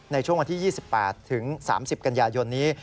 ในช่วงวันที่๒๘ถึง๓๐กันยายนนี้